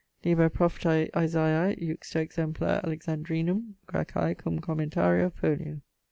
Liber prophetae Isaiae juxta exemplar Alexandrinum: Graecè, cum commentario, folio.